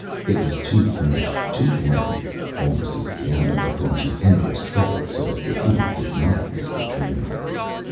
It was too fresh, too plain almost as if the animal had gone to endless trouble so that the human could not miss the trail.